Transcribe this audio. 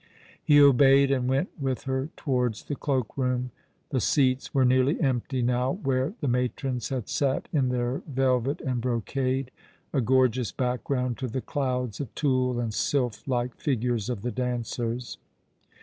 He obeyed, and went with her towards the cloak room. The seats were nearly empty now where the matrons had sat in their velvet and brocade, a gorgeous background to the clouds of tulle and sylph like figures of the dancers.